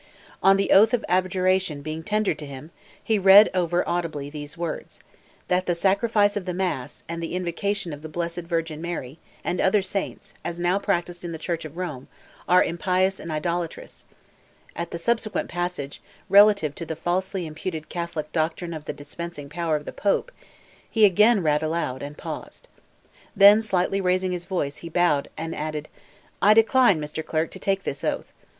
On the oath of abjuration being tendered to him, he read over audibly these words—"that the sacrifice of the mass, and the invocation of the blessed Virgin Mary, and other saints, as now practised in the Church of Rome, are impious and idolatrous:" at the subsequent passage, relative to the falsely imputed Catholic "doctrine of the dispensing power" of the Pope, he again read aloud, and paused. Then slightly raising his voice, he bowed, and added, "I decline, Mr. Clerk, to take this oath.